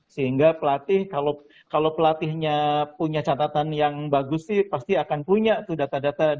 sehingga pelatih kalau pelatihnya punya catatan yang bagus sih pasti akan punya data data